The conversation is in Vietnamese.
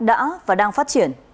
đã và đang phát triển